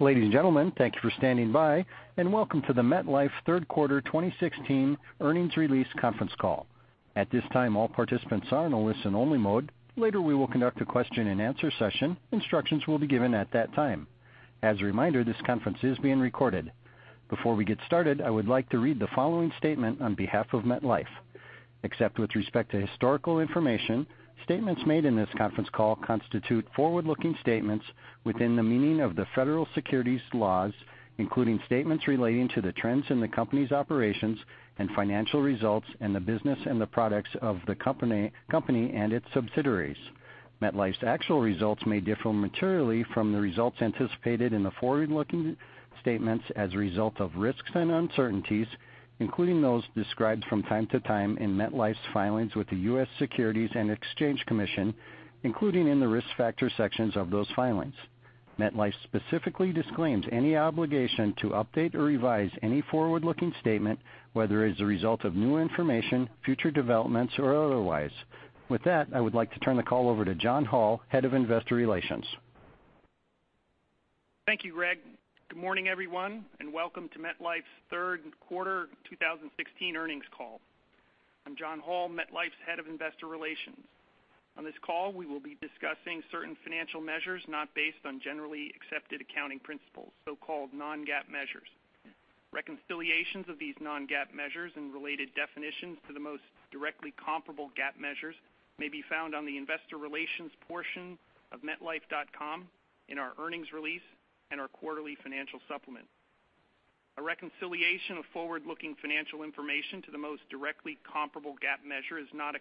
Ladies and gentlemen, thank you for standing by and welcome to the MetLife third quarter 2016 earnings release conference call. At this time, all participants are in a listen-only mode. Later, we will conduct a question-and-answer session. Instructions will be given at that time. As a reminder, this conference is being recorded. Before we get started, I would like to read the following statement on behalf of MetLife. Except with respect to historical information, statements made in this conference call constitute forward-looking statements within the meaning of the federal securities laws, including statements relating to the trends in the company's operations and financial results and the business and the products of the company and its subsidiaries. MetLife's actual results may differ materially from the results anticipated in the forward-looking statements as a result of risks and uncertainties, including those described from time to time in MetLife's filings with the U.S. Securities and Exchange Commission, including in the Risk Factor sections of those filings. MetLife specifically disclaims any obligation to update or revise any forward-looking statement, whether as a result of new information, future developments, or otherwise. With that, I would like to turn the call over to John Hall, Head of Investor Relations. Thank you, Greg. Good morning, everyone, and welcome to MetLife's third quarter 2016 earnings call. I'm John Hall, MetLife's Head of Investor Relations. On this call, we will be discussing certain financial measures not based on generally accepted accounting principles, so-called non-GAAP measures. Reconciliations of these non-GAAP measures and related definitions to the most directly comparable GAAP measures may be found on the investor relations portion of metlife.com in our earnings release and our quarterly financial supplement. A reconciliation of forward-looking financial information to the most directly comparable GAAP measure is not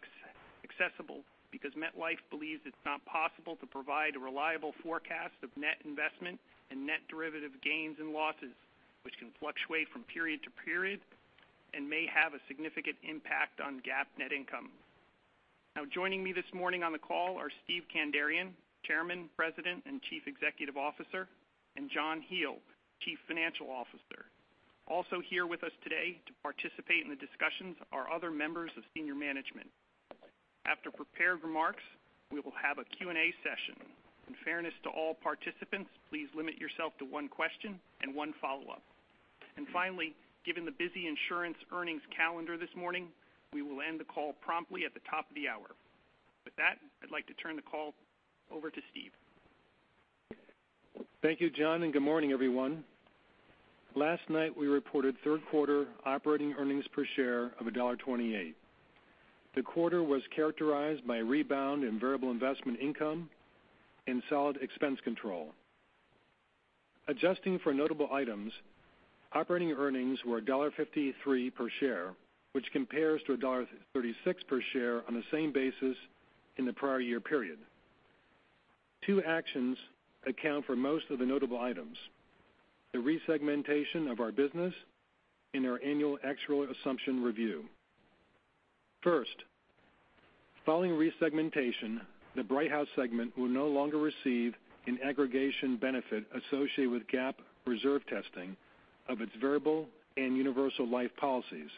accessible because MetLife believes it's not possible to provide a reliable forecast of net investment and net derivative gains and losses, which can fluctuate from period to period and may have a significant impact on GAAP net income. Now, joining me this morning on the call are Steve Kandarian, Chairman, President, and Chief Executive Officer, and John Hele, Chief Financial Officer. Also here with us today to participate in the discussions are other members of senior management. After prepared remarks, we will have a Q&A session. In fairness to all participants, please limit yourself to one question and one follow-up. Finally, given the busy insurance earnings calendar this morning, we will end the call promptly at the top of the hour. With that, I'd like to turn the call over to Steve. Thank you, John, and good morning, everyone. Last night, we reported third quarter operating earnings per share of $1.28. The quarter was characterized by a rebound in variable investment income and solid expense control. Adjusting for notable items, operating earnings were $1.53 per share, which compares to $1.36 per share on the same basis in the prior year period. Two actions account for most of the notable items, the resegmentation of our business, and our annual actuarial assumption review. First, following resegmentation, the Brighthouse segment will no longer receive an aggregation benefit associated with GAAP reserve testing of its variable and universal life policies.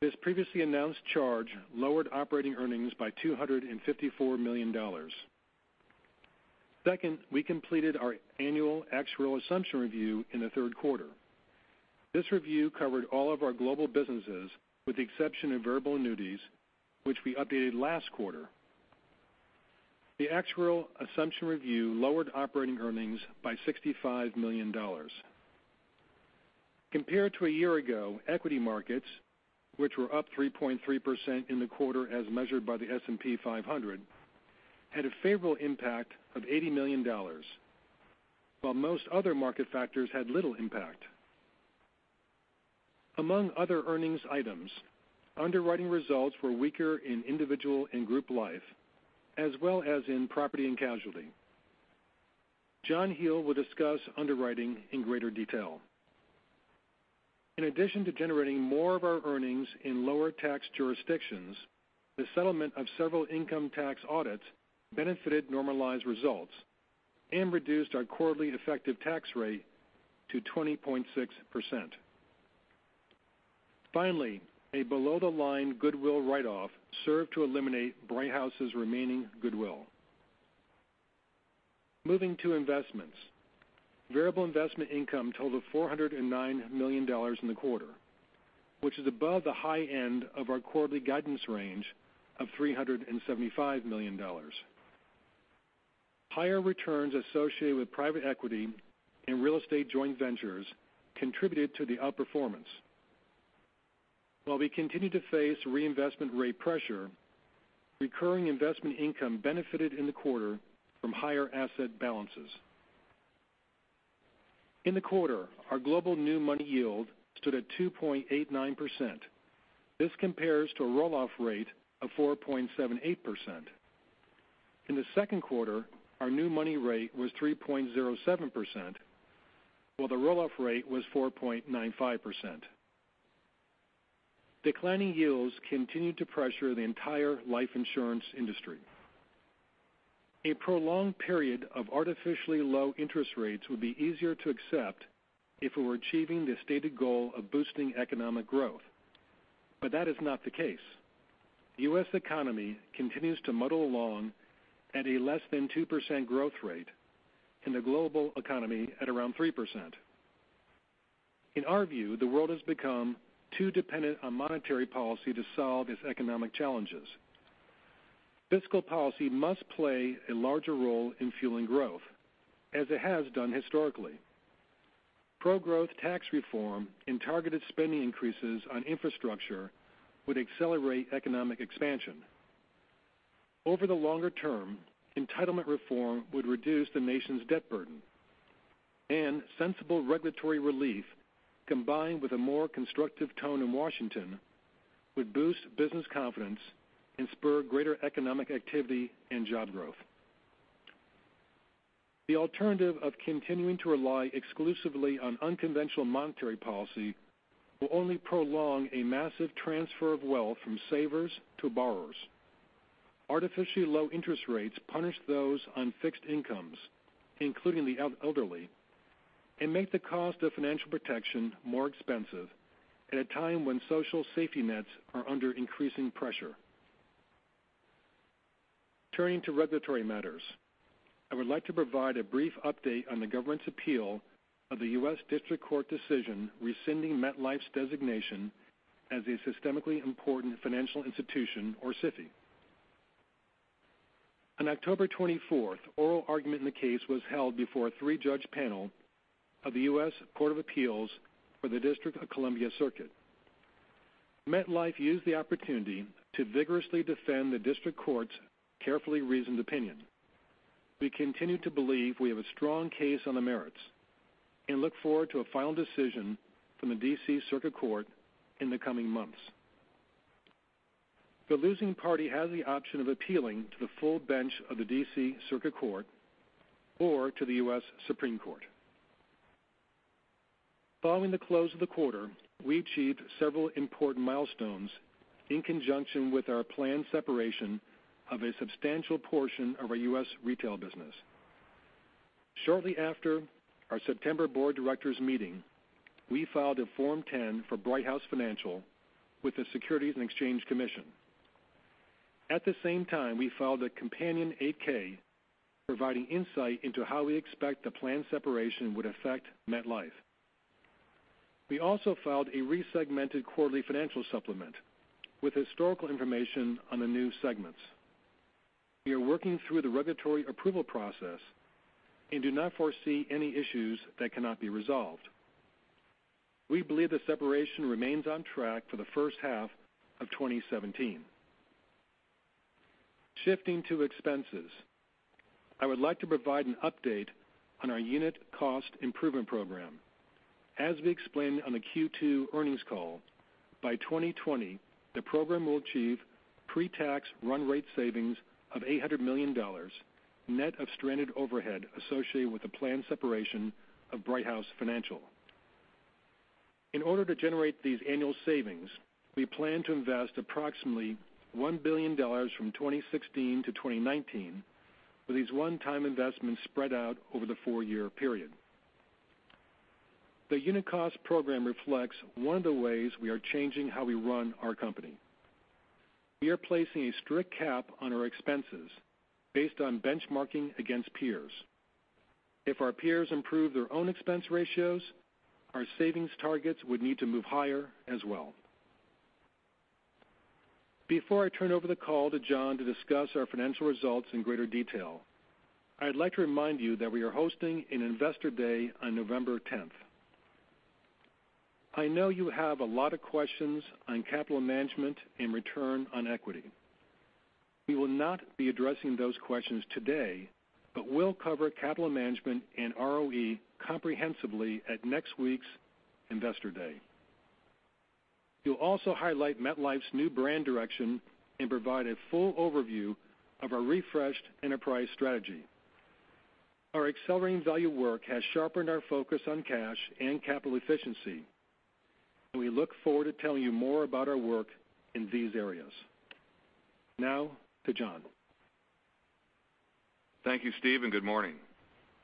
This previously announced charge lowered operating earnings by $254 million. Second, we completed our annual actuarial assumption review in the third quarter. This review covered all of our global businesses with the exception of variable annuities, which we updated last quarter. The actuarial assumption review lowered operating earnings by $65 million. Compared to a year ago, equity markets, which were up 3.3% in the quarter as measured by the S&P 500, had a favorable impact of $80 million, while most other market factors had little impact. Among other earnings items, underwriting results were weaker in individual and group life, as well as in property and casualty. John Hele will discuss underwriting in greater detail. In addition to generating more of our earnings in lower tax jurisdictions, the settlement of several income tax audits benefited normalized results and reduced our quarterly effective tax rate to 20.6%. Finally, a below the line goodwill write-off served to eliminate Brighthouse's remaining goodwill. Moving to investments. Variable investment income totaled $409 million in the quarter, which is above the high end of our quarterly guidance range of $375 million. Higher returns associated with private equity and real estate joint ventures contributed to the outperformance. While we continue to face reinvestment rate pressure, recurring investment income benefited in the quarter from higher asset balances. In the quarter, our global new money yield stood at 2.89%. This compares to a roll-off rate of 4.78%. In the second quarter, our new money rate was 3.07%, while the roll-off rate was 4.95%. Declining yields continue to pressure the entire life insurance industry. A prolonged period of artificially low interest rates would be easier to accept if we were achieving the stated goal of boosting economic growth. That is not the case. The U.S. economy continues to muddle along at a less than 2% growth rate, and the global economy at around 3%. In our view, the world has become too dependent on monetary policy to solve its economic challenges. Fiscal policy must play a larger role in fueling growth, as it has done historically. Pro-growth tax reform and targeted spending increases on infrastructure would accelerate economic expansion. Over the longer term, entitlement reform would reduce the nation's debt burden, and sensible regulatory relief, combined with a more constructive tone in Washington, would boost business confidence and spur greater economic activity and job growth. The alternative of continuing to rely exclusively on unconventional monetary policy will only prolong a massive transfer of wealth from savers to borrowers. Artificially low interest rates punish those on fixed incomes, including the elderly, and make the cost of financial protection more expensive at a time when social safety nets are under increasing pressure. Turning to regulatory matters, I would like to provide a brief update on the government's appeal of the U.S. District Court decision rescinding MetLife's designation as a systemically important financial institution, or SIFI. On October 24th, oral argument in the case was held before a three-judge panel of the U.S. Court of Appeals for the District of Columbia Circuit. MetLife used the opportunity to vigorously defend the district court's carefully reasoned opinion. We continue to believe we have a strong case on the merits and look forward to a final decision from the D.C. Circuit Court in the coming months. The losing party has the option of appealing to the full bench of the D.C. Circuit Court or to the U.S. Supreme Court. Following the close of the quarter, we achieved several important milestones in conjunction with our planned separation of a substantial portion of our U.S. retail business. Shortly after our September board of directors meeting, we filed a Form 10 for Brighthouse Financial with the Securities and Exchange Commission. At the same time, we filed a companion 8-K providing insight into how we expect the planned separation would affect MetLife. We also filed a resegmented quarterly financial supplement with historical information on the new segments. We are working through the regulatory approval process and do not foresee any issues that cannot be resolved. We believe the separation remains on track for the first half of 2017. Shifting to expenses, I would like to provide an update on our unit cost improvement program. As we explained on the Q2 earnings call, by 2020, the program will achieve pre-tax run rate savings of $800 million, net of stranded overhead associated with the planned separation of Brighthouse Financial. In order to generate these annual savings, we plan to invest approximately $1 billion from 2016 to 2019, with these one-time investments spread out over the four-year period. The unit cost program reflects one of the ways we are changing how we run our company. We are placing a strict cap on our expenses based on benchmarking against peers. If our peers improve their own expense ratios, our savings targets would need to move higher as well. Before I turn over the call to John to discuss our financial results in greater detail, I'd like to remind you that we are hosting an Investor Day on November 10th. I know you have a lot of questions on capital management and return on equity. We will not be addressing those questions today, but we'll cover capital management and ROE comprehensively at next week's Investor Day. We'll also highlight MetLife's new brand direction and provide a full overview of our refreshed enterprise strategy. Our accelerating value work has sharpened our focus on cash and capital efficiency, and we look forward to telling you more about our work in these areas. Now to John. Thank you, Steve. Good morning.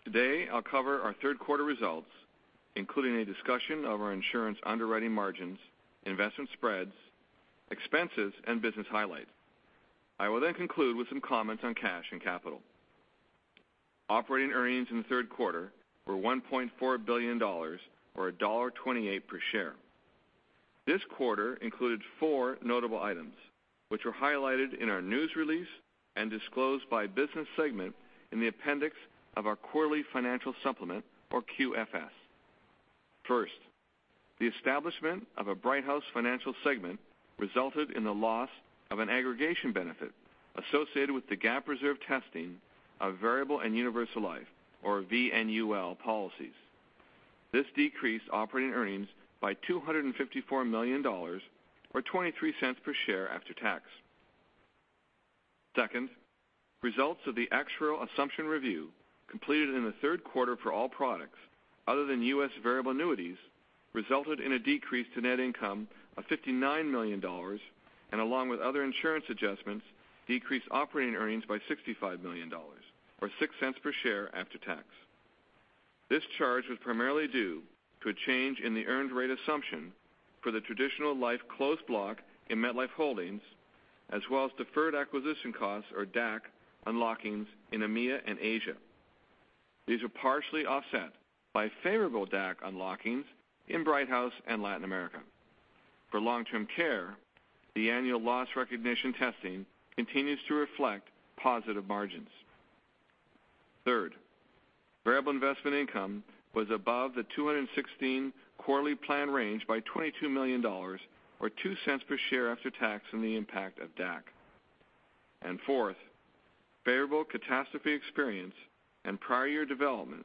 Today, I'll cover our third quarter results, including a discussion of our insurance underwriting margins, investment spreads, expenses, and business highlights. I will conclude with some comments on cash and capital. Operating earnings in the third quarter were $1.4 billion, or $1.28 per share. This quarter included four notable items, which were highlighted in our news release and disclosed by business segment in the appendix of our quarterly financial supplement, or QFS. First, the establishment of a Brighthouse Financial segment resulted in the loss of an aggregation benefit associated with the GAAP reserve testing of variable and universal life, or VNUL policies. This decreased operating earnings by $254 million, or $0.23 per share after tax. Second, results of the actuarial assumption review completed in the third quarter for all products other than U.S. variable annuities resulted in a decrease to net income of $59 million. Along with other insurance adjustments, decreased operating earnings by $65 million, or $0.06 per share after tax. This charge was primarily due to a change in the earned rate assumption for the traditional life closed block in MetLife Holdings, as well as deferred acquisition costs, or DAC, unlockings in EMEA and Asia. These are partially offset by favorable DAC unlockings in Brighthouse and Latin America. For long-term care, the annual loss recognition testing continues to reflect positive margins. Third, variable investment income was above the 216 quarterly plan range by $22 million, or $0.02 per share after tax from the impact of DAC. Fourth, favorable catastrophe experience and prior year development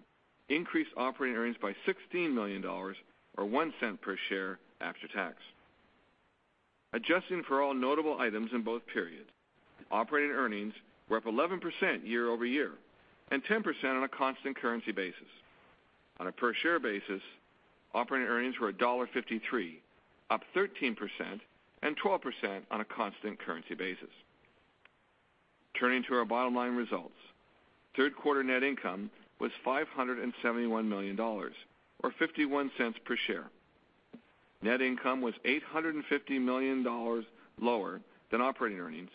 increased operating earnings by $16 million or $0.01 per share after tax. Adjusting for all notable items in both periods, operating earnings were up 11% year-over-year and 10% on a constant currency basis. On a per share basis, operating earnings were $1.53, up 13% and 12% on a constant currency basis. Turning to our bottom line results. Third quarter net income was $571 million, or $0.51 per share. Net income was $850 million lower than operating earnings,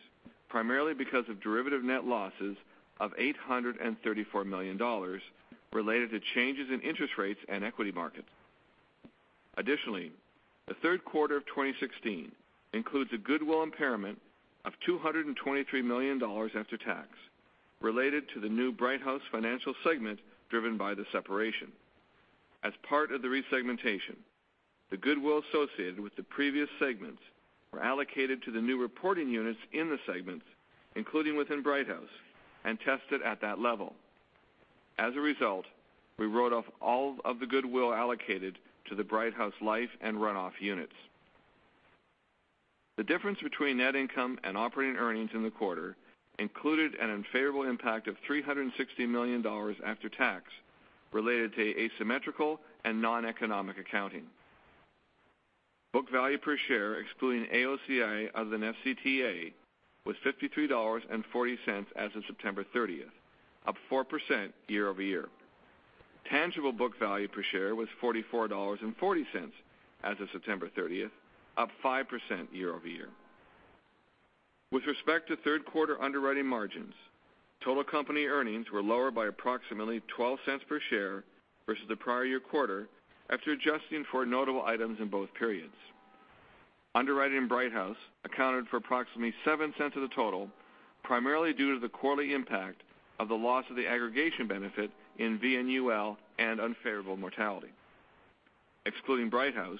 primarily because of derivative net losses of $834 million related to changes in interest rates and equity markets. Additionally, the third quarter of 2016 includes a goodwill impairment of $223 million after tax related to the new Brighthouse Financial segment driven by the separation. As part of the resegmentation, the goodwill associated with the previous segments were allocated to the new reporting units in the segments, including within Brighthouse, and tested at that level. As a result, we wrote off all of the goodwill allocated to the Brighthouse Life and Run-off units. The difference between net income and operating earnings in the quarter included an unfavorable impact of $360 million after tax related to asymmetrical and non-economic accounting. Book value per share, excluding AOCI as an FCTA, was $53.40 as of September 30th, up 4% year-over-year. Tangible book value per share was $44.40 as of September 30th, up 5% year-over-year. With respect to third quarter underwriting margins, total company earnings were lower by approximately $0.12 per share versus the prior year quarter after adjusting for notable items in both periods. Underwriting in Brighthouse accounted for approximately $0.07 of the total, primarily due to the quarterly impact of the loss of the aggregation benefit in VNUL and unfavorable mortality. Excluding Brighthouse,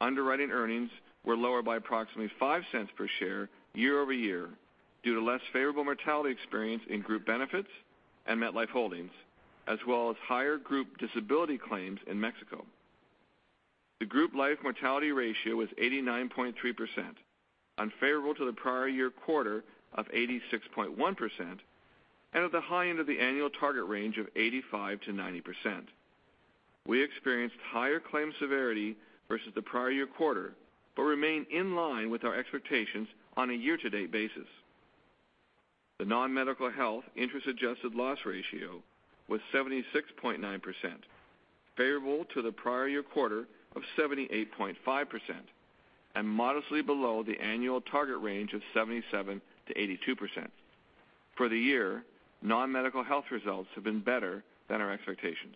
underwriting earnings were lower by approximately $0.05 per share year-over-year due to less favorable mortality experience in group benefits and MetLife Holdings, as well as higher group disability claims in Mexico. The group life mortality ratio was 89.3%, unfavorable to the prior year quarter of 86.1% and at the high end of the annual target range of 85%-90%. We experienced higher claim severity versus the prior year quarter, but remain in line with our expectations on a year-to-date basis. The non-medical health interest adjusted loss ratio was 76.9%, favorable to the prior year quarter of 78.5%, and modestly below the annual target range of 77%-82%. For the year, non-medical health results have been better than our expectations.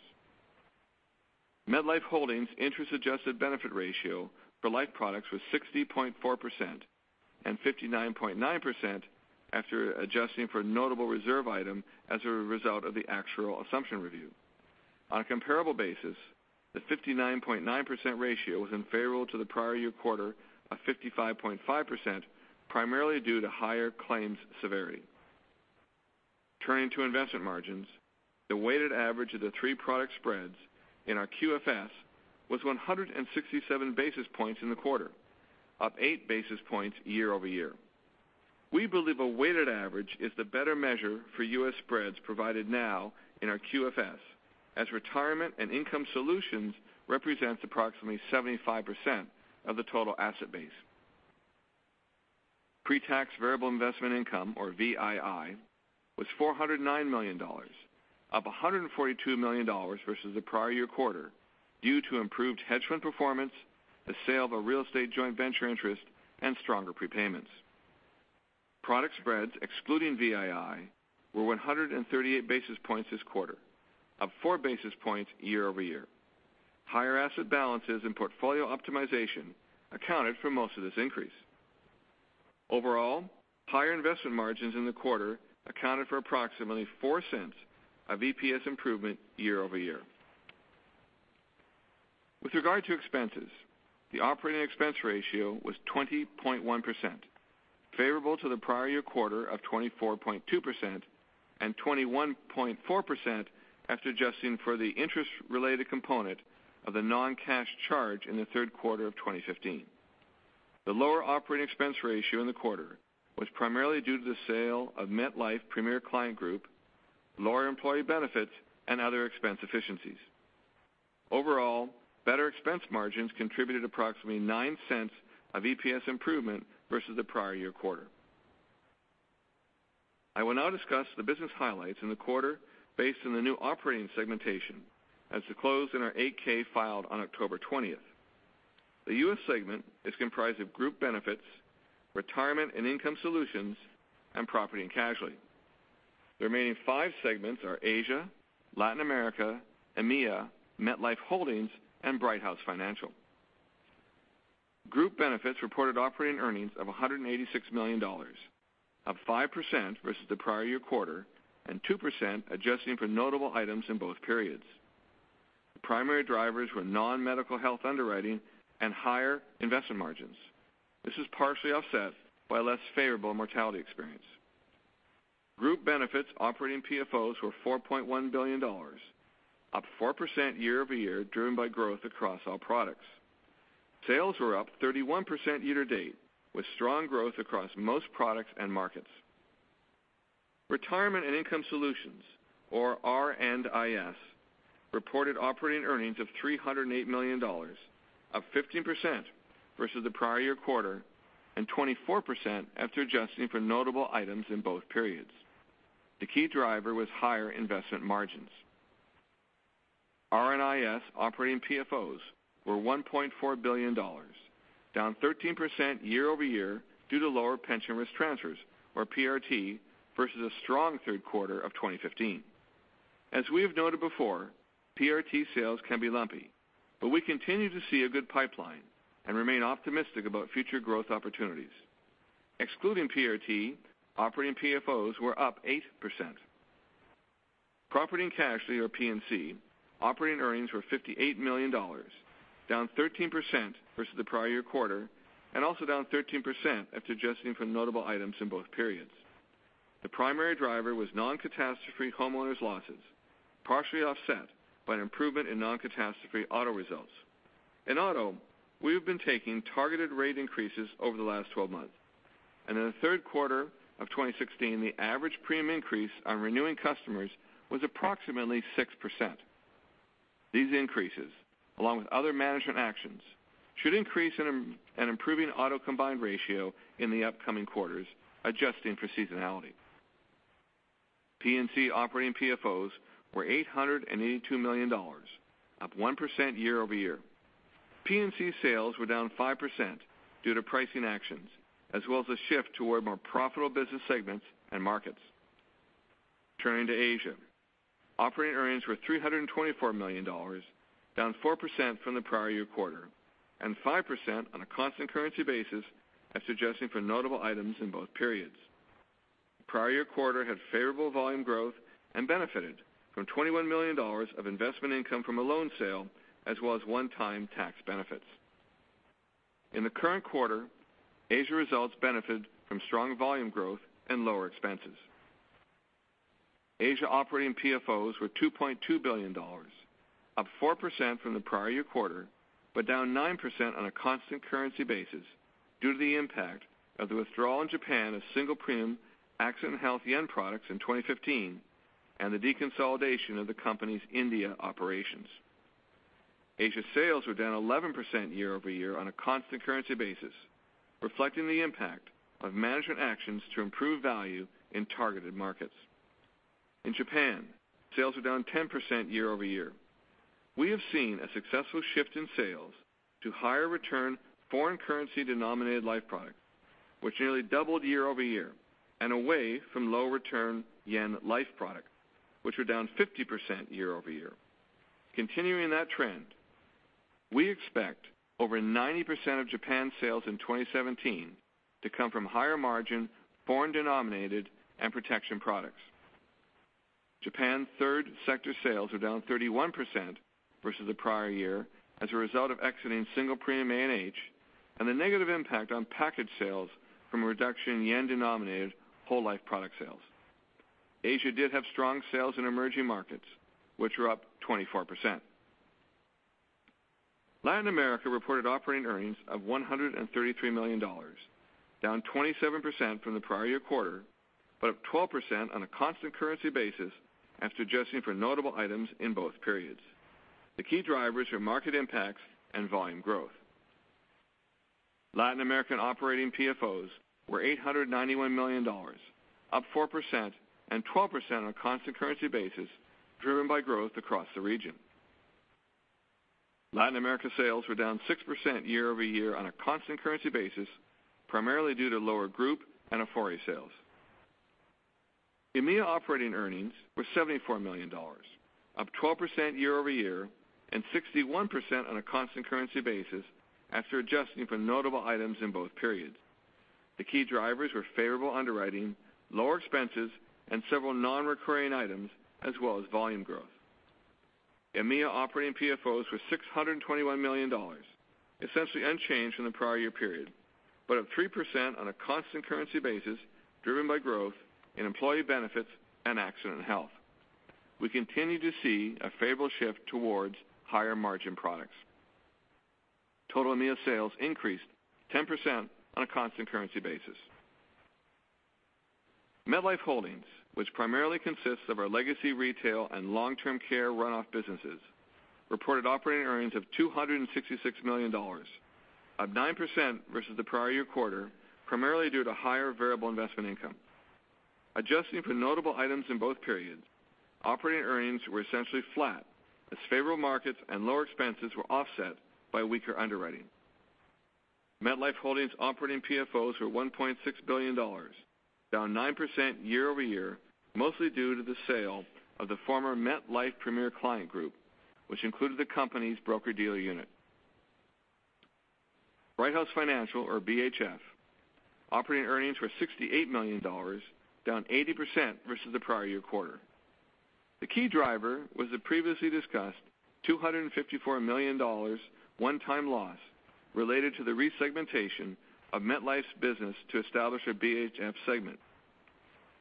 MetLife Holdings interest-adjusted benefit ratio for life products was 60.4% and 59.9% after adjusting for a notable reserve item as a result of the actuarial assumption review. On a comparable basis, the 59.9% ratio was unfavorable to the prior year quarter of 55.5%, primarily due to higher claims severity. Turning to investment margins, the weighted average of the three product spreads in our QFS was 167 basis points in the quarter, up eight basis points year-over-year. We believe a weighted average is the better measure for U.S. spreads provided now in our QFS, as Retirement and Income Solutions represents approximately 75% of the total asset base. Pre-tax variable investment income, or VII, was $409 million, up $142 million versus the prior year quarter due to improved hedge fund performance, the sale of a real estate joint venture interest, and stronger prepayments. Product spreads excluding VII were 138 basis points this quarter, up four basis points year-over-year. Higher asset balances and portfolio optimization accounted for most of this increase. Overall, higher investment margins in the quarter accounted for approximately $0.04 of EPS improvement year-over-year. With regard to expenses, the operating expense ratio was 20.1%, favorable to the prior year quarter of 24.2% and 21.4% after adjusting for the interest related component of the non-cash charge in the third quarter of 2015. The lower operating expense ratio in the quarter was primarily due to the sale of MetLife Premier Client Group, lower employee benefits, and other expense efficiencies. Overall, better expense margins contributed approximately $0.09 of EPS improvement versus the prior year quarter. I will now discuss the business highlights in the quarter based on the new operating segmentation as disclosed in our 8-K filed on October 20th. The U.S. segment is comprised of Group Benefits, Retirement and Income Solutions, and Property and Casualty. The remaining five segments are Asia, Latin America, EMEA, MetLife Holdings, and Brighthouse Financial. Group Benefits reported operating earnings of $186 million, up 5% versus the prior year quarter, and 2% adjusting for notable items in both periods. The primary drivers were non-medical health underwriting and higher investment margins. This was partially offset by a less favorable mortality experience. Group Benefits operating PFOs were $4.1 billion, up 4% year-over-year, driven by growth across all products. Sales were up 31% year-to-date, with strong growth across most products and markets. Retirement and Income Solutions, or R&IS, reported operating earnings of $308 million, up 15% versus the prior year quarter, and 24% after adjusting for notable items in both periods. The key driver was higher investment margins. R&IS operating PFOs were $1.4 billion, down 13% year-over-year due to lower pension risk transfers, or PRT, versus a strong third quarter of 2015. We continue to see a good pipeline and remain optimistic about future growth opportunities. Excluding PRT, operating PFOs were up 8%. Property and Casualty, or P&C, operating earnings were $58 million, down 13% versus the prior year quarter, and also down 13% after adjusting for notable items in both periods. The primary driver was non-catastrophe homeowners losses, partially offset by an improvement in non-catastrophe auto results. In auto, we have been taking targeted rate increases over the last 12 months. In the third quarter of 2016, the average premium increase on renewing customers was approximately 6%. These increases, along with other management actions, should increase an improving auto combined ratio in the upcoming quarters, adjusting for seasonality. P&C operating PFOs were $882 million, up 1% year-over-year. P&C sales were down 5% due to pricing actions, as well as a shift toward more profitable business segments and markets. Turning to Asia. Operating earnings were $324 million, down 4% from the prior year quarter, and 5% on a constant currency basis after adjusting for notable items in both periods. The prior year quarter had favorable volume growth and benefited from $21 million of investment income from a loan sale, as well as one-time tax benefits. In the current quarter, Asia results benefited from strong volume growth and lower expenses. Asia operating PFOs were $2.2 billion, up 4% from the prior year quarter, but down 9% on a constant currency basis due to the impact of the withdrawal in Japan of single-premium Accident & Health yen products in 2015 and the deconsolidation of the company's India operations. Asia sales were down 11% year-over-year on a constant currency basis, reflecting the impact of management actions to improve value in targeted markets. In Japan, sales were down 10% year-over-year. We have seen a successful shift in sales to higher return foreign currency denominated life product, which nearly doubled year-over-year, and away from low return yen life product, which were down 50% year-over-year. Continuing that trend, we expect over 90% of Japan sales in 2017 to come from higher margin foreign denominated and protection products. Japan third sector sales were down 31% versus the prior year as a result of exiting single premium A&H and the negative impact on package sales from a reduction in yen-denominated whole life product sales. Asia did have strong sales in emerging markets, which were up 24%. Latin America reported operating earnings of $133 million, down 27% from the prior year quarter, but up 12% on a constant currency basis after adjusting for notable items in both periods. The key drivers are market impacts and volume growth. Latin American operating PFOs were $891 million, up 4% and 12% on a constant currency basis, driven by growth across the region. Latin America sales were down 6% year-over-year on a constant currency basis, primarily due to lower group and affinity sales. EMEA operating earnings were $74 million, up 12% year-over-year and 61% on a constant currency basis after adjusting for notable items in both periods. The key drivers were favorable underwriting, lower expenses, and several non-recurring items, as well as volume growth. EMEA operating PFOs were $621 million, essentially unchanged from the prior year period, but up 3% on a constant currency basis driven by growth in employee benefits and Accident & Health. We continue to see a favorable shift towards higher margin products. Total EMEA sales increased 10% on a constant currency basis. MetLife Holdings, which primarily consists of our legacy retail and long-term care runoff businesses reported operating earnings of $266 million, up 9% versus the prior year quarter, primarily due to higher variable investment income. Adjusting for notable items in both periods, operating earnings were essentially flat as favorable markets and lower expenses were offset by weaker underwriting. MetLife Holdings operating PFOs were $1.6 billion, down 9% year-over-year, mostly due to the sale of the former MetLife Premier Client Group, which included the company's broker-dealer unit. Brighthouse Financial or BHF operating earnings were $68 million, down 80% versus the prior year quarter. The key driver was the previously discussed $254 million one-time loss related to the resegmentation of MetLife's business to establish a BHF segment,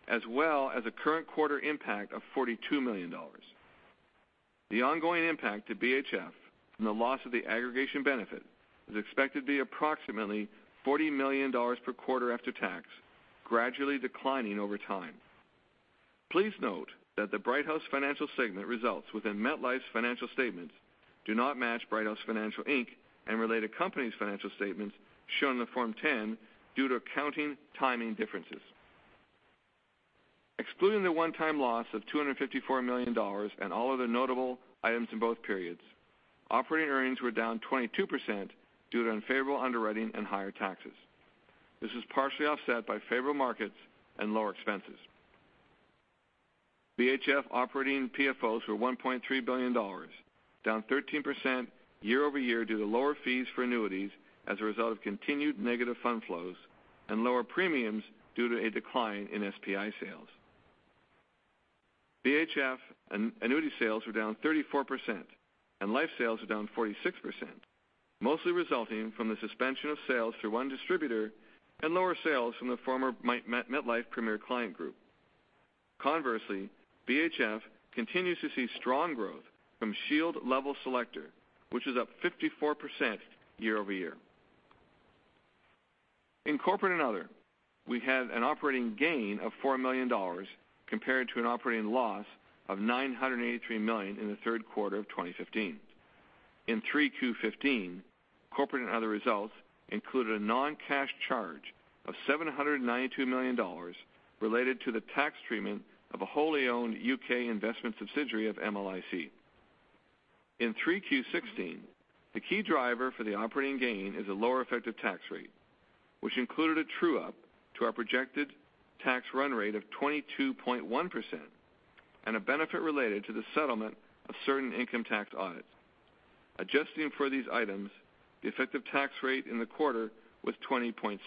as well as a current quarter impact of $42 million. The ongoing impact to BHF from the loss of the aggregation benefit is expected to be approximately $40 million per quarter after tax, gradually declining over time. Please note that the Brighthouse Financial segment results within MetLife's financial statements do not match Brighthouse Financial, Inc. and related companies' financial statements shown in the Form 10 due to accounting timing differences. Excluding the one-time loss of $254 million and all other notable items in both periods, operating earnings were down 22% due to unfavorable underwriting and higher taxes. This was partially offset by favorable markets and lower expenses. BHF operating PFOs were $1.3 billion, down 13% year-over-year due to lower fees for annuities as a result of continued negative fund flows, and lower premiums due to a decline in SPI sales. BHF annuity sales were down 34%, and life sales were down 46%, mostly resulting from the suspension of sales through one distributor and lower sales from the former MetLife Premier Client Group. Conversely, BHF continues to see strong growth from Shield Level Selector, which is up 54% year-over-year. In corporate and other, we had an operating gain of $4 million compared to an operating loss of $983 million in the third quarter of 2015. In 3Q15, corporate and other results included a non-cash charge of $792 million related to the tax treatment of a wholly owned U.K. investment subsidiary of MLIC. In 3Q16, the key driver for the operating gain is a lower effective tax rate, which included a true-up to our projected tax run rate of 22.1% and a benefit related to the settlement of certain income tax audits. Adjusting for these items, the effective tax rate in the quarter was 20.6%.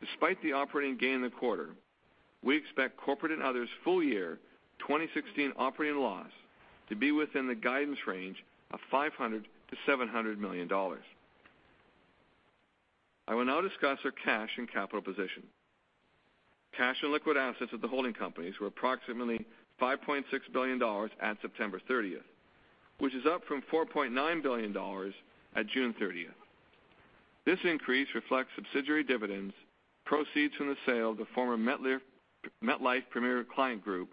Despite the operating gain in the quarter, we expect corporate and others' full year 2016 operating loss to be within the guidance range of $500 million-$700 million. I will now discuss our cash and capital position. Cash and liquid assets of the holding companies were approximately $5.6 billion at September 30th, which is up from $4.9 billion at June 30th. This increase reflects subsidiary dividends, proceeds from the sale of the former MetLife Premier Client Group,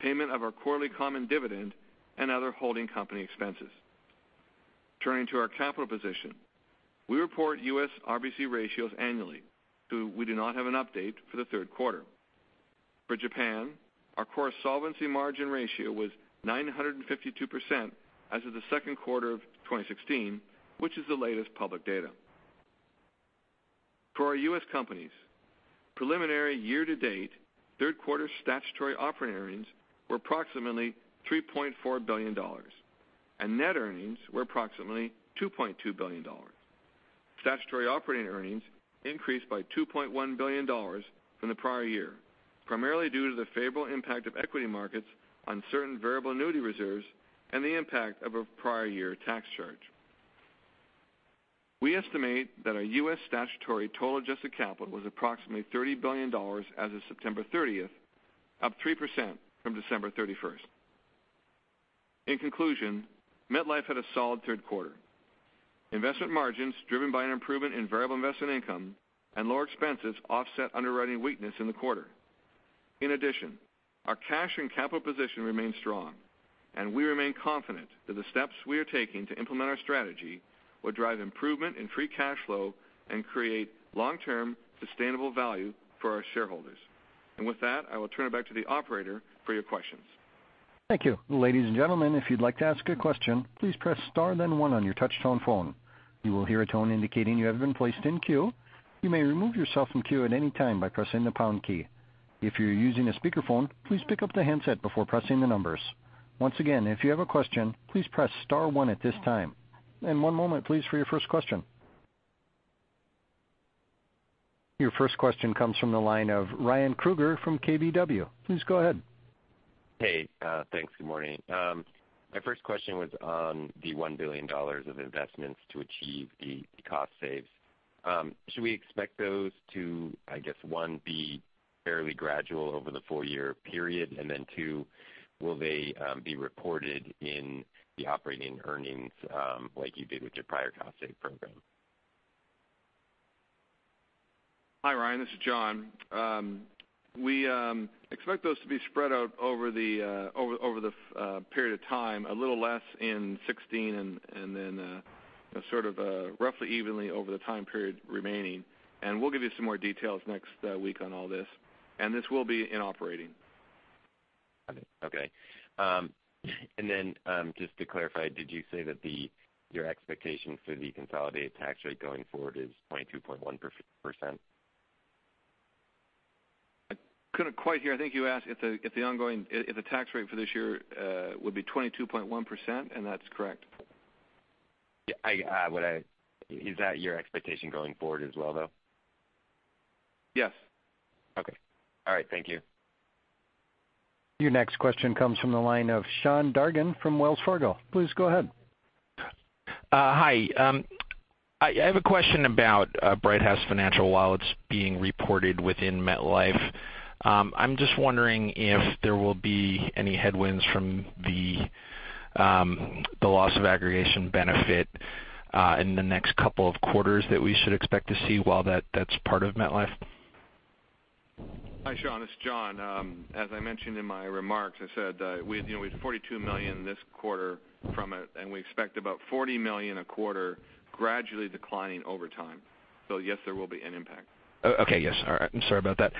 payment of our quarterly common dividend, and other holding company expenses. Turning to our capital position, we report U.S. RBC ratios annually, so we do not have an update for the third quarter. For Japan, our core solvency margin ratio was 952% as of the second quarter of 2016, which is the latest public data. For our U.S. companies, preliminary year-to-date third quarter statutory operating earnings were approximately $3.4 billion, and net earnings were approximately $2.2 billion. Statutory operating earnings increased by $2.1 billion from the prior year, primarily due to the favorable impact of equity markets on certain variable annuity reserves and the impact of a prior year tax charge. We estimate that our U.S. statutory total adjusted capital was approximately $30 billion as of September 30th, up 3% from December 31st. In conclusion, MetLife had a solid third quarter. Investment margins driven by an improvement in variable investment income and lower expenses offset underwriting weakness in the quarter. In addition, our cash and capital position remains strong, and we remain confident that the steps we are taking to implement our strategy will drive improvement in free cash flow and create long-term sustainable value for our shareholders. With that, I will turn it back to the operator for your questions. Thank you. Ladies and gentlemen, if you'd like to ask a question, please press star then one on your touch-tone phone. You will hear a tone indicating you have been placed in queue. You may remove yourself from queue at any time by pressing the pound key. If you're using a speakerphone, please pick up the handset before pressing the numbers. Once again, if you have a question, please press star one at this time. One moment please for your first question. Your first question comes from the line of Ryan Krueger from KBW. Please go ahead. Hey, thanks. Good morning. My first question was on the $1 billion of investments to achieve the cost saves. Should we expect those to, I guess, one, be fairly gradual over the full year period, and then two, will they be reported in the operating earnings like you did with your prior cost save program? Hi, Ryan Krueger, this is John Hall. We expect those to be spread out over the period of time, a little less in 2016. Then sort of roughly evenly over the time period remaining. We'll give you some more details next week on all this. This will be in operating. Got it. Okay. Just to clarify, did you say that your expectations for the consolidated tax rate going forward is 22.1%? I couldn't quite hear. I think you asked if the tax rate for this year would be 22.1%. That's correct. Is that your expectation going forward as well, though? Yes. Okay. All right. Thank you. Your next question comes from the line of Sean Dargan from Wells Fargo. Please go ahead. Hi. I have a question about Brighthouse Financial, while it's being reported within MetLife. I'm just wondering if there will be any headwinds from the loss of aggregation benefit in the next couple of quarters that we should expect to see while that's part of MetLife. Hi, Sean. It's John. As I mentioned in my remarks, I said that we had $42 million this quarter from it, and we expect about $40 million a quarter gradually declining over time. Yes, there will be an impact. Okay. Yes. All right. I'm sorry about that.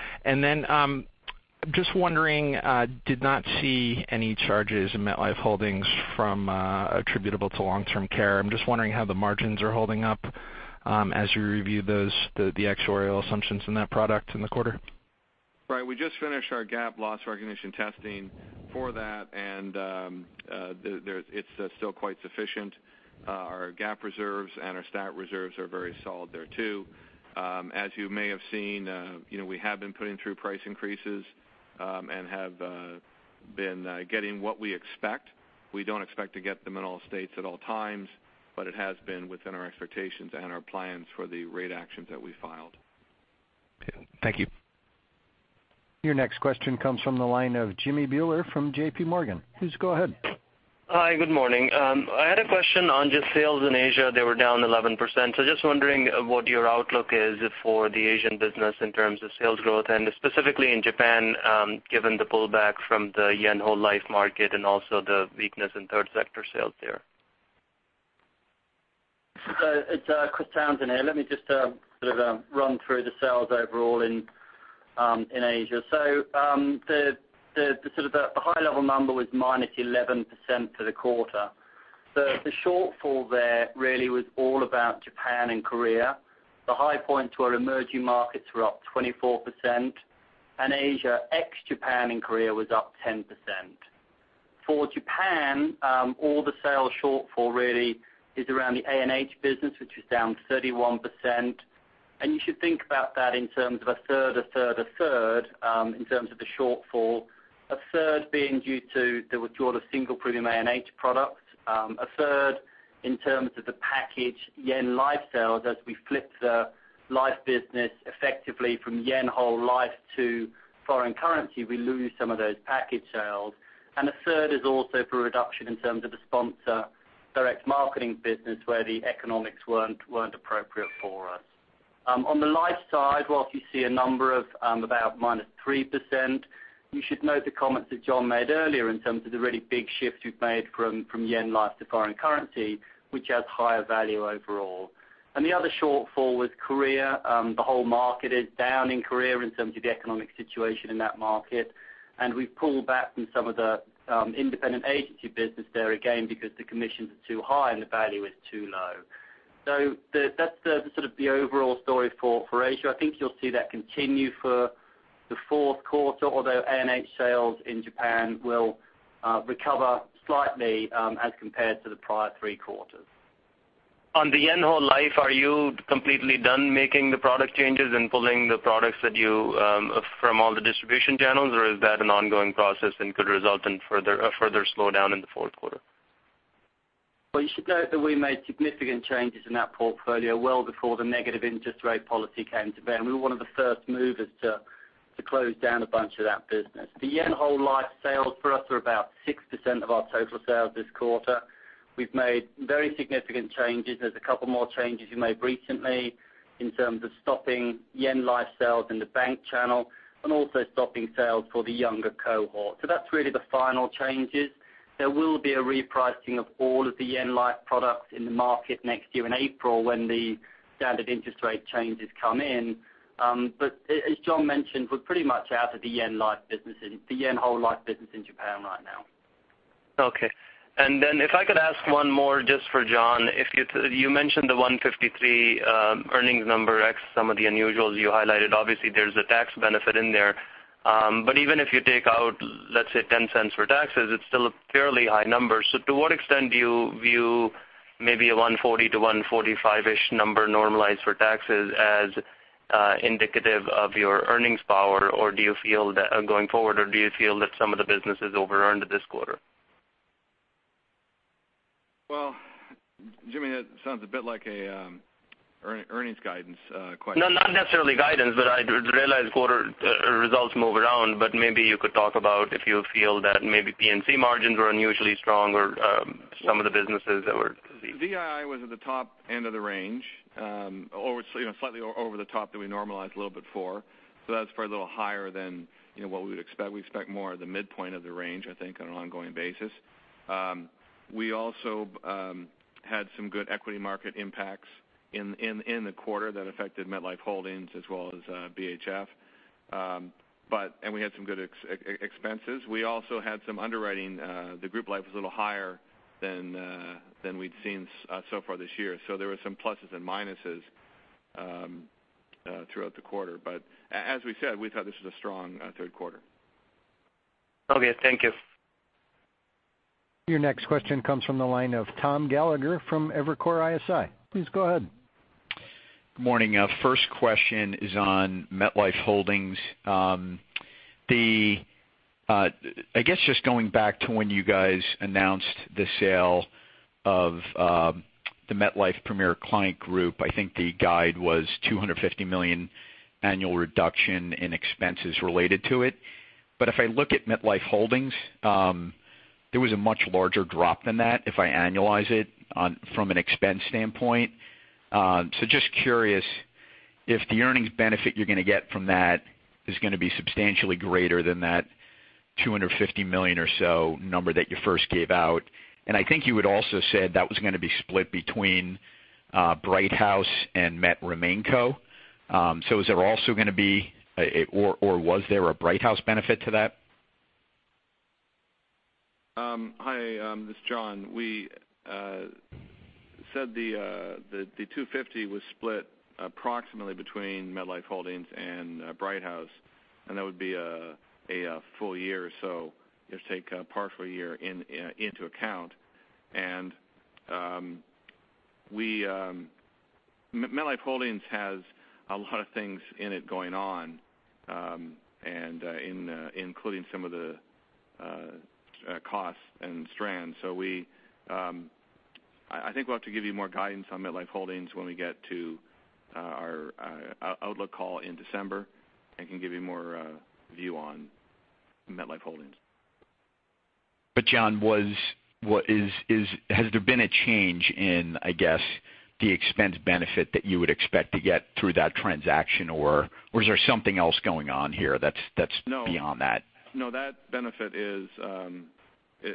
Just wondering, did not see any charges in MetLife Holdings from attributable to long-term care. I'm just wondering how the margins are holding up as you review the actuarial assumptions in that product in the quarter. Right. We just finished our GAAP loss recognition testing for that, and it's still quite sufficient. Our GAAP reserves and our stat reserves are very solid there, too. As you may have seen, we have been putting through price increases and have been getting what we expect. We don't expect to get them in all states at all times, but it has been within our expectations and our plans for the rate actions that we filed. Thank you. Your next question comes from the line of Jimmy Bhullar from J.P. Morgan. Please go ahead. Hi, good morning. I had a question on just sales in Asia. They were down 11%. Just wondering what your outlook is for the Asian business in terms of sales growth and specifically in Japan given the pullback from the yen whole life market and also the weakness in third sector sales there. It's Christopher Townsend here. Let me just sort of run through the sales overall in Asia. The sort of high level number was -11% for the quarter. The shortfall there really was all about Japan and Korea. The high point to our emerging markets were up 24%, Asia ex-Japan and Korea was up 10%. For Japan, all the sales shortfall really is around the A&H business, which was down 31%. You should think about that in terms of a third, a third, a third in terms of the shortfall. A third being due to the withdrawal of single premium A&H product. A third in terms of the package yen life sales as we flip the life business effectively from yen whole life to foreign currency, we lose some of those package sales. A third is also for reduction in terms of the sponsor direct marketing business where the economics weren't appropriate for us. On the life side, whilst you see a number of about -3%, you should note the comments that John made earlier in terms of the really big shift we've made from yen life to foreign currency, which has higher value overall. The other shortfall was Korea. The whole market is down in Korea in terms of the economic situation in that market, and we've pulled back from some of the independent agency business there again because the commissions are too high and the value is too low. That's the sort of the overall story for Asia. I think you'll see that continue for the fourth quarter, although A&H sales in Japan will recover slightly as compared to the prior three quarters. On the yen whole life, are you completely done making the product changes and pulling the products from all the distribution channels or is that an ongoing process and could result in a further slowdown in the fourth quarter? Well, you should note that we made significant changes in that portfolio well before the negative interest rate policy came to bear. We were one of the first movers to close down a bunch of that business. The yen whole life sales for us are about 6% of our total sales this quarter. We've made very significant changes. There's a couple more changes we made recently in terms of stopping yen life sales in the bank channel and also stopping sales for the younger cohort. That's really the final changes. There will be a repricing of all of the yen life products in the market next year in April when the standard interest rate changes come in. As John mentioned, we're pretty much out of the yen whole life business in Japan right now. Okay. If I could ask one more just for John. You mentioned the $153 earnings number ex some of the unusuals you highlighted. Obviously, there's a tax benefit in there. Even if you take out, let's say, $0.10 for taxes, it's still a fairly high number. To what extent do you view maybe a $140-$145-ish number normalized for taxes as indicative of your earnings power going forward, or do you feel that some of the business is over-earned this quarter? Jimmy, that sounds a bit like an earnings guidance question. No, not necessarily guidance, I realize quarter results move around. Maybe you could talk about if you feel that maybe P&C margins were unusually strong or some of the businesses that were VII was at the top end of the range, slightly over the top that we normalized a little bit for. That's probably a little higher than what we would expect. We expect more of the midpoint of the range, I think, on an ongoing basis. We also had some good equity market impacts in the quarter that affected MetLife Holdings as well as BHF. We had some good expenses. We also had some underwriting. The group life was a little higher than we'd seen so far this year. There were some pluses and minuses throughout the quarter. As we said, we thought this was a strong third quarter. Okay, thank you. Your next question comes from the line of Thomas Gallagher from Evercore ISI. Please go ahead. Good morning. First question is on MetLife Holdings. I guess just going back to when you guys announced the sale of the MetLife Premier Client Group, I think the guide was $250 million annual reduction in expenses related to it. If I look at MetLife Holdings, there was a much larger drop than that if I annualize it from an expense standpoint. Just curious if the earnings benefit you're going to get from that is going to be substantially greater than that $250 million or so number that you first gave out. I think you had also said that was going to be split between Brighthouse and Met RemainCo. Is there also going to be or was there a Brighthouse benefit to that? Hi, this is John. We said the $250 was split approximately between MetLife Holdings and Brighthouse, that would be a full year or so. You have to take a partial year into account. MetLife Holdings has a lot of things in it going on, including some of the costs and strands. I think we'll have to give you more guidance on MetLife Holdings when we get to our outlook call in December and can give you more view on MetLife Holdings. John, has there been a change in, I guess, the expense benefit that you would expect to get through that transaction, or is there something else going on here that's beyond that? No, that benefit is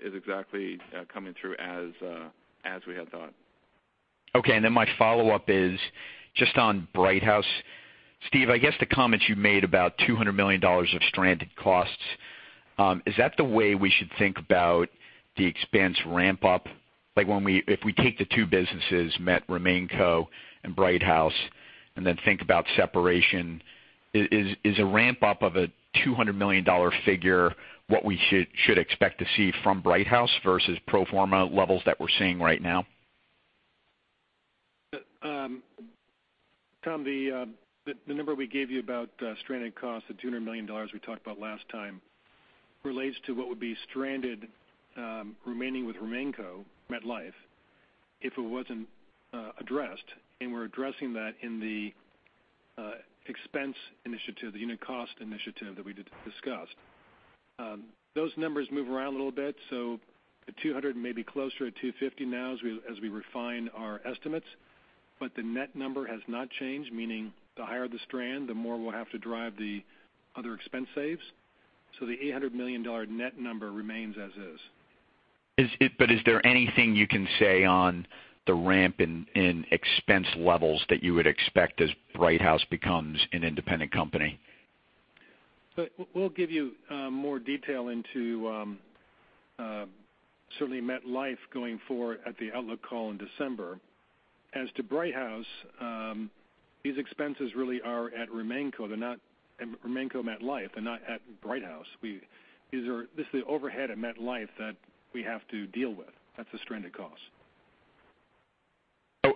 exactly coming through as we had thought. Okay, my follow-up is just on Brighthouse. Steve, I guess the comments you made about $200 million of stranded costs, is that the way we should think about the expense ramp-up? If we take the two businesses, Met RemainCo and Brighthouse, and then think about separation, is a ramp-up of a $200 million figure what we should expect to see from Brighthouse versus pro forma levels that we're seeing right now? Tom, the number we gave you about stranded costs of $200 million we talked about last time relates to what would be stranded remaining with RemainCo MetLife if it wasn't addressed. We're addressing that in the expense initiative, the unit cost initiative that we discussed. Those numbers move around a little bit, so the 200 may be closer to 250 now as we refine our estimates. The net number has not changed, meaning the higher the strand, the more we'll have to drive the other expense saves. The $800 million net number remains as is. Is there anything you can say on the ramp in expense levels that you would expect as Brighthouse becomes an independent company? We'll give you more detail into certainly MetLife going forward at the outlook call in December. As to Brighthouse, these expenses really are at RemainCo MetLife. They're not at Brighthouse. This is the overhead at MetLife that we have to deal with. That's a stranded cost.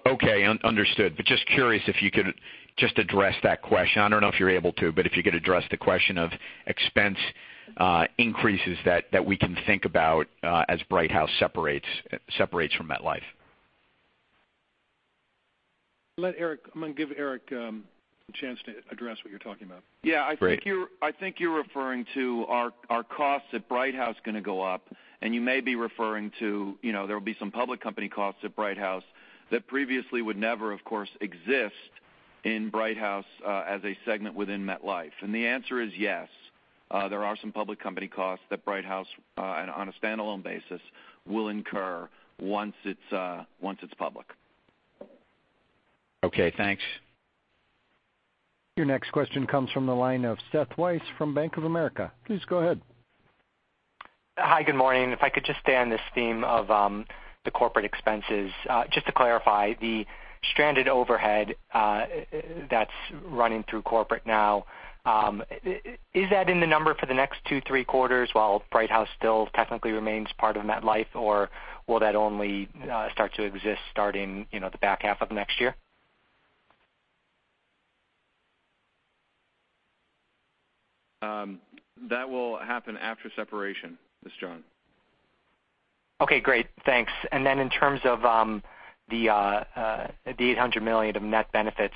Okay, understood. Just curious if you could just address that question. I don't know if you're able to, if you could address the question of expense increases that we can think about as Brighthouse separates from MetLife. I'm going to give Eric a chance to address what you're talking about. Yeah, I think you're referring to are costs at Brighthouse going to go up, and you may be referring to there will be some public company costs at Brighthouse that previously would never, of course, exist in Brighthouse as a segment within MetLife. The answer is yes, there are some public company costs that Brighthouse on a standalone basis will incur once it's public. Okay, thanks. Your next question comes from the line of Seth Weiss from Bank of America. Please go ahead. Hi, good morning. If I could just stay on this theme of the corporate expenses. Just to clarify, the stranded overhead that's running through corporate now, is that in the number for the next two, three quarters while Brighthouse still technically remains part of MetLife, or will that only start to exist starting the back half of next year? That will happen after separation, this is John. Okay, great. Thanks. In terms of the $800 million of net benefits,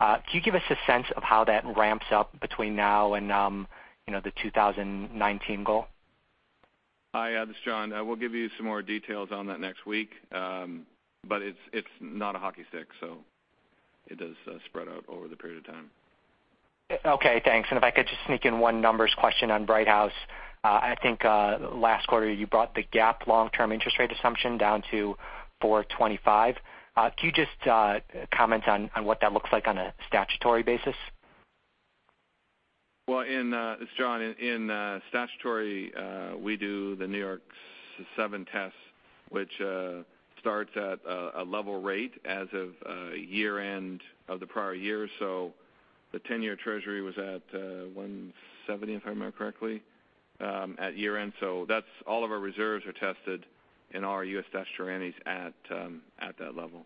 can you give us a sense of how that ramps up between now and the 2019 goal? Hi, this is John. We'll give you some more details on that next week. It's not a hockey stick, so it does spread out over the period of time. Okay, thanks. If I could just sneak in one numbers question on Brighthouse. I think last quarter you brought the GAAP long-term interest rate assumption down to 425. Can you just comment on what that looks like on a statutory basis? Well, this is John. In statutory, we do the New York Seven test, which starts at a level rate as of year-end of the prior year. The 10-year Treasury was at 170, if I remember correctly, at year-end. That's all of our reserves are tested in our U.S. statutory needs at that level.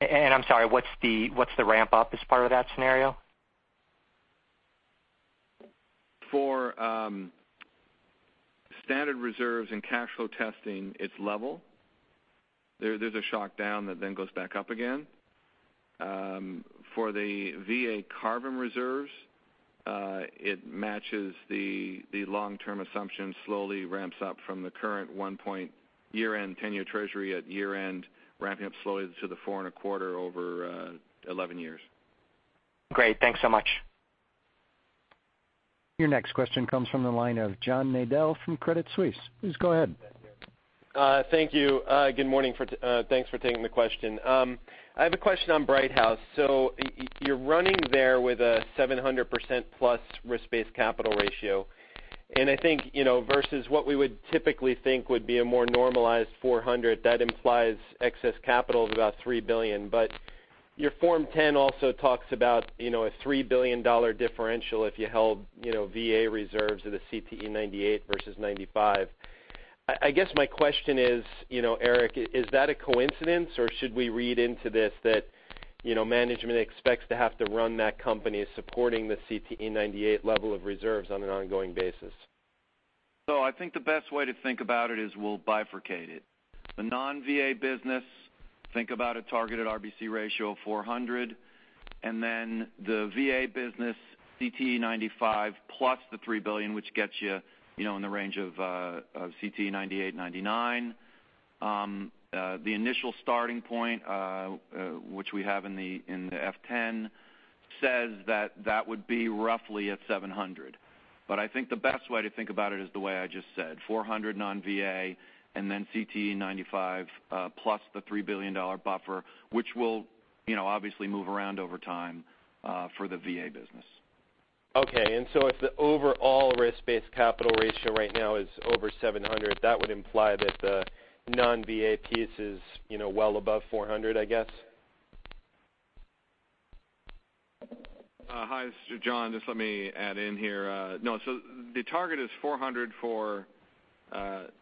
I'm sorry, what's the ramp up as part of that scenario? For standard reserves and cash flow testing, it's level. There's a shock down that then goes back up again. For the VA CARVM reserves, it matches the long-term assumption, slowly ramps up from the current one point year-end 10-year Treasury at year-end, ramping up slowly to the four and a quarter over 11 years. Great. Thanks so much. Your next question comes from the line of John Nadel from Credit Suisse. Please go ahead. Thank you. Good morning. Thanks for taking the question. I have a question on Brighthouse. You're running there with a 700%+ risk-based capital ratio, and I think versus what we would typically think would be a more normalized 400%, that implies excess capital of about $3 billion, but your Form 10 also talks about a $3 billion differential if you held VA reserves at a CTE 98 versus 95. I guess my question is, Eric, is that a coincidence or should we read into this that management expects to have to run that company supporting the CTE 98 level of reserves on an ongoing basis? I think the best way to think about it is we'll bifurcate it. The non-VA business, think about a targeted RBC ratio of 400%, and then the VA business, CTE 95 plus the $3 billion, which gets you in the range of CTE 98, 99. The initial starting point, which we have in the F10, says that would be roughly at 700%. I think the best way to think about it is the way I just said, 400% non-VA, and then CTE 95 plus the $3 billion buffer, which will obviously move around over time for the VA business. Okay, if the overall risk-based capital ratio right now is over 700, that would imply that the non-VA piece is well above 400, I guess. Hi, this is John. Just let me add in here. The target is 400 for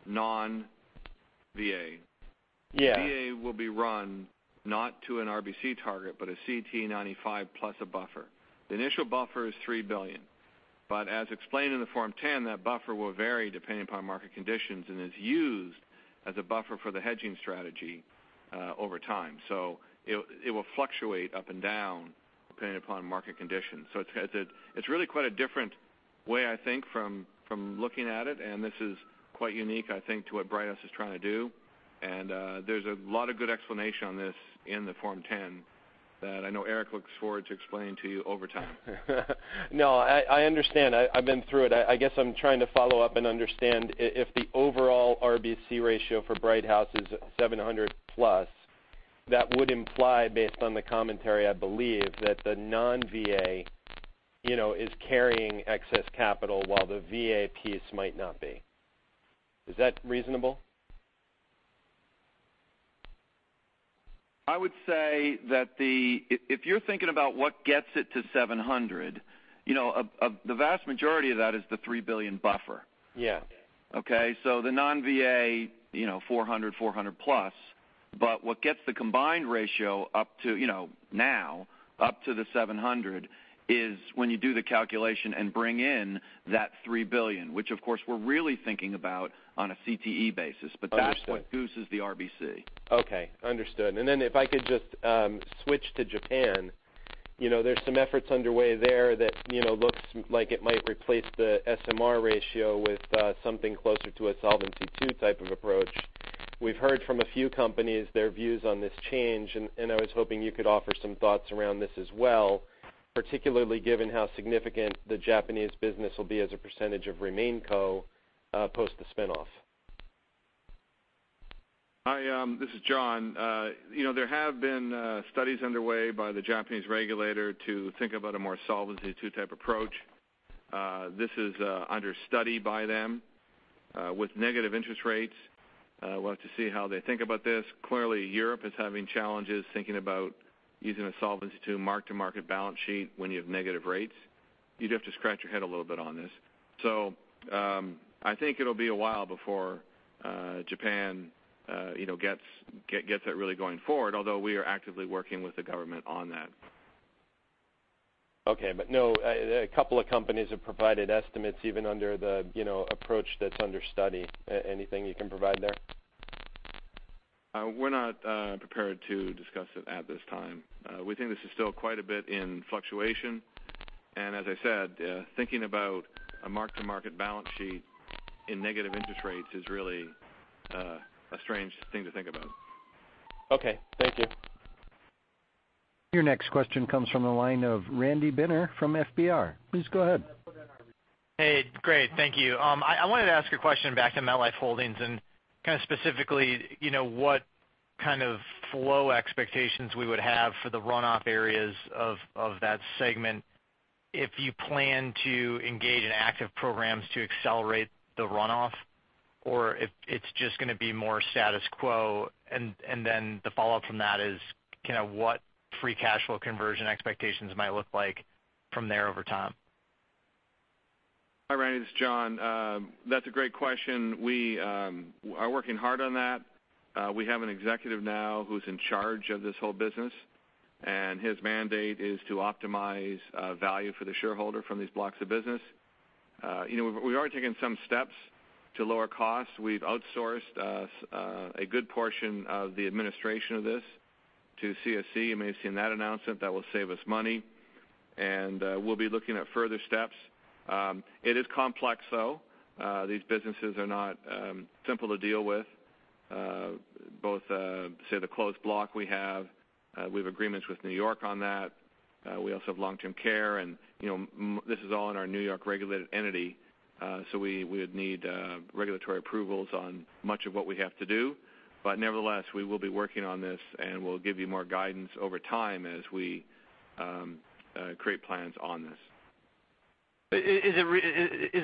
non-VA. Yeah. VA will be run not to an RBC target, but a CTE 95 plus a buffer. The initial buffer is $3 billion. As explained in the Form 10, that buffer will vary depending upon market conditions and is used as a buffer for the hedging strategy over time. It will fluctuate up and down depending upon market conditions. It's really quite a different way, I think, from looking at it, and this is quite unique, I think, to what Brighthouse is trying to do. There's a lot of good explanation on this in the Form 10 that I know Eric looks forward to explaining to you over time. I understand. I've been through it. I guess I'm trying to follow up and understand if the overall RBC ratio for Brighthouse is 700-plus, that would imply, based on the commentary, I believe, that the non-VA is carrying excess capital while the VA piece might not be. Is that reasonable? I would say that if you're thinking about what gets it to 700, the vast majority of that is the $3 billion buffer. Yeah. Okay. The non-VA, 400-plus. What gets the combined ratio now up to the 700 is when you do the calculation and bring in that $3 billion, which of course we're really thinking about on a CTE basis. Understood That's what gooses the RBC. Okay. Understood. Then if I could just switch to Japan. There's some efforts underway there that looks like it might replace the SMR ratio with something closer to a Solvency II type of approach. We've heard from a few companies their views on this change, and I was hoping you could offer some thoughts around this as well, particularly given how significant the Japanese business will be as a percentage of RemainCo post the spin-off. Hi, this is John. There have been studies underway by the Japanese regulator to think about a more Solvency II type approach. This is under study by them. With negative interest rates, we'll have to see how they think about this. Clearly, Europe is having challenges thinking about using a Solvency II mark-to-market balance sheet when you have negative rates. You do have to scratch your head a little bit on this. I think it'll be a while before Japan gets it really going forward, although we are actively working with the government on that. Okay. No, a couple of companies have provided estimates even under the approach that's under study. Anything you can provide there? We're not prepared to discuss it at this time. We think this is still quite a bit in fluctuation, and as I said, thinking about a mark-to-market balance sheet in negative interest rates is really a strange thing to think about. Okay. Thank you. Your next question comes from the line of Randy Binner from FBR. Please go ahead. Hey, great. Thank you. I wanted to ask a question back to MetLife Holdings and kind of specifically, what kind of flow expectations we would have for the runoff areas of that segment if you plan to engage in active programs to accelerate the runoff, or if it's just going to be more status quo. Then the follow-up from that is, what free cash flow conversion expectations might look like from there over time? Hi, Randy, this is John. That's a great question. We are working hard on that. We have an executive now who's in charge of this whole business, and his mandate is to optimize value for the shareholder from these blocks of business. We've already taken some steps to lower costs. We've outsourced a good portion of the administration of this to CSC. You may have seen that announcement. That will save us money, and we'll be looking at further steps. It is complex, though. These businesses are not simple to deal with. Both, say, the closed block we have, we have agreements with New York on that. We also have long-term care, and this is all in our New York-regulated entity. We would need regulatory approvals on much of what we have to do. Nevertheless, we will be working on this, and we'll give you more guidance over time as we create plans on this. Is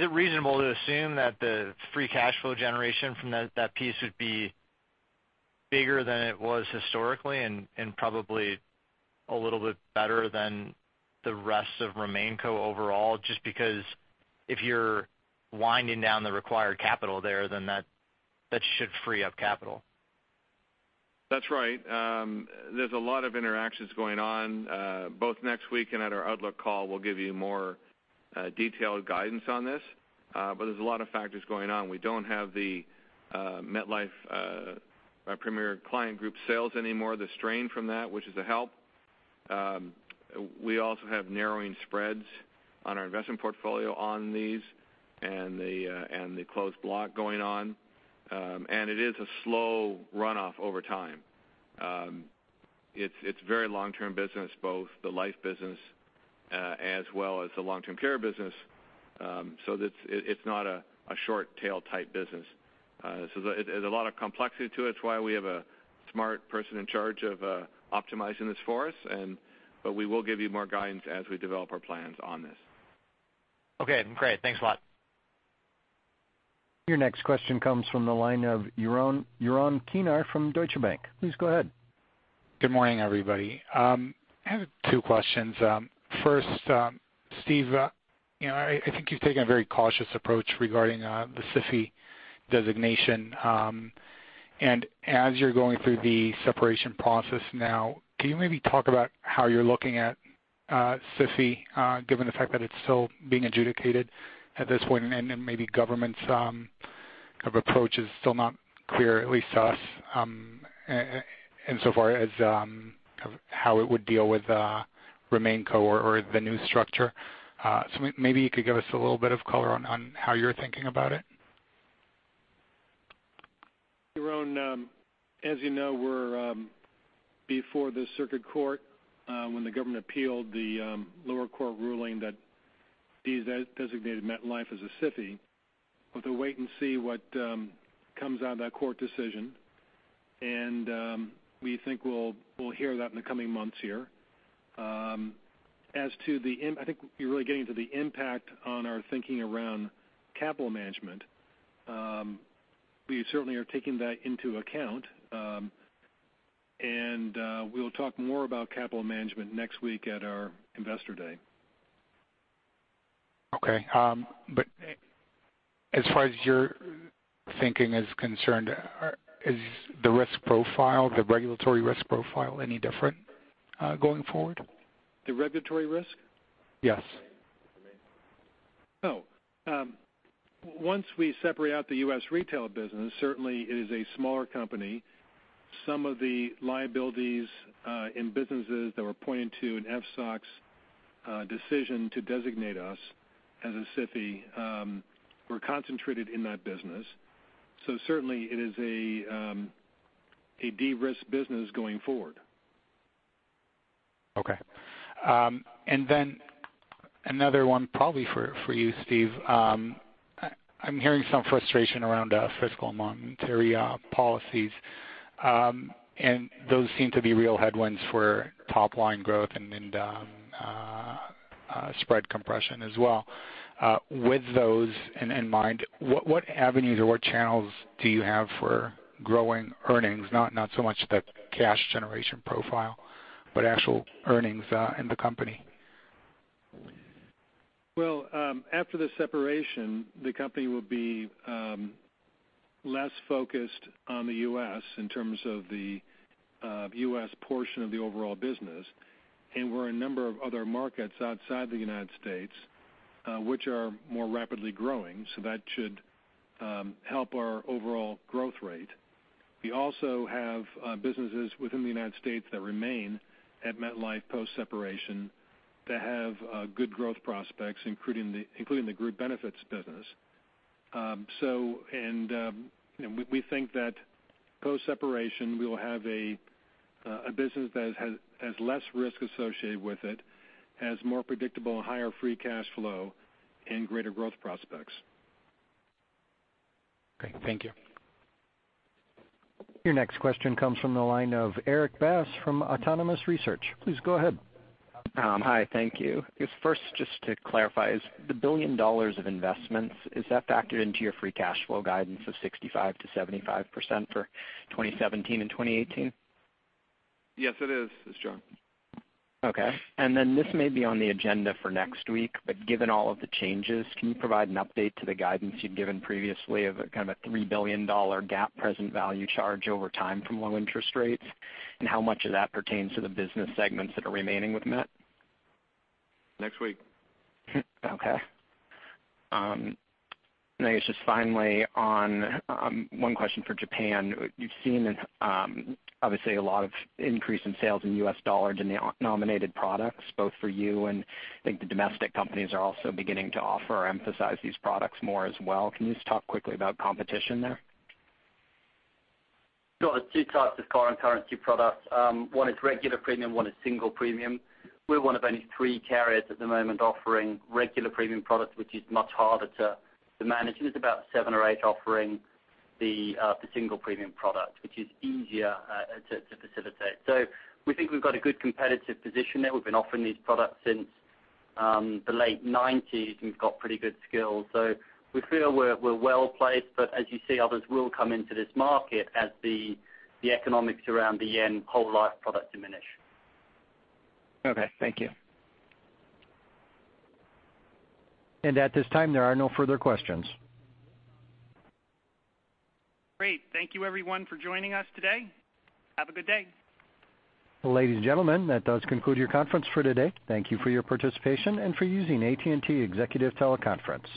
it reasonable to assume that the free cash flow generation from that piece would be bigger than it was historically and probably a little bit better than the rest of RemainCo overall? Because if you're winding down the required capital there, then that should free up capital. That's right. There's a lot of interactions going on. Both next week and at our outlook call, we'll give you more detailed guidance on this. There's a lot of factors going on. We don't have the MetLife Premier Client Group sales anymore, the strain from that, which is a help. We also have narrowing spreads on our investment portfolio on these and the closed block going on. It is a slow runoff over time. It's very long-term business, both the life business as well as the long-term care business. It's not a short tail type business. There's a lot of complexity to it. It's why we have a smart person in charge of optimizing this for us but we will give you more guidance as we develop our plans on this. Okay, great. Thanks a lot. Your next question comes from the line of Yaron Kinar from Deutsche Bank. Please go ahead. Good morning, everybody. I have two questions. First, Steve, I think you've taken a very cautious approach regarding the SIFI designation. As you're going through the separation process now, can you maybe talk about how you're looking at SIFI, given the fact that it's still being adjudicated at this point, and maybe government's kind of approach is still not clear, at least to us, insofar as how it would deal with RemainCo or the new structure? Maybe you could give us a little bit of color on how you're thinking about it. Yaron, as you know, we're before the circuit court when the government appealed the lower court ruling that designated MetLife as a SIFI. We'll have to wait and see what comes out of that court decision, and we think we'll hear that in the coming months here. I think you're really getting to the impact on our thinking around capital management. We certainly are taking that into account, and we'll talk more about capital management next week at our investor day. Okay. As far as your thinking is concerned, is the regulatory risk profile any different going forward? The regulatory risk? Yes. Once we separate out the U.S. retail business, certainly it is a smaller company. Some of the liabilities in businesses that were pointed to in FSOC's decision to designate us as a SIFI were concentrated in that business. Certainly it is a de-risk business going forward. Another one probably for you, Steve. I'm hearing some frustration around fiscal and monetary policies, those seem to be real headwinds for top-line growth and spread compression as well. With those in mind, what avenues or what channels do you have for growing earnings? Not so much the cash generation profile, but actual earnings in the company. Well, after the separation, the company will be less focused on the U.S. in terms of the U.S. portion of the overall business. We're in a number of other markets outside the United States, which are more rapidly growing, that should help our overall growth rate. We also have businesses within the United States that remain at MetLife post-separation that have good growth prospects, including the Group Benefits business. We think that post-separation, we will have a business that has less risk associated with it, has more predictable and higher free cash flow, and greater growth prospects. Great. Thank you. Your next question comes from the line of Erik Bass from Autonomous Research. Please go ahead. Hi, thank you. First, just to clarify, the $1 billion of investments, is that factored into your free cash flow guidance of 65%-75% for 2017 and 2018? Yes, it is. This is John. Okay. Then this may be on the agenda for next week, but given all of the changes, can you provide an update to the guidance you had given previously of a kind of $3 billion GAAP present value charge over time from low interest rates, and how much of that pertains to the business segments that are remaining with Met? Next week. Okay. I guess just finally, one question for Japan. You've seen, obviously, a lot of increase in sales in US dollars in the denominated products, both for you and I think the domestic companies are also beginning to offer or emphasize these products more as well. Can you just talk quickly about competition there? Sure. There's 2 types of current currency products. One is regular premium, one is single premium. We're one of only three carriers at the moment offering regular premium products, which is much harder to manage. There's about seven or eight offering the single premium product, which is easier to facilitate. We think we've got a good competitive position there. We've been offering these products since the late 1990s, and we've got pretty good skills. We feel we're well-placed. But as you see, others will come into this market as the economics around the yen whole life product diminish. Okay, thank you. At this time, there are no further questions. Great. Thank you everyone for joining us today. Have a good day. Ladies and gentlemen, that does conclude your conference for today. Thank you for your participation and for using AT&T TeleConference Services.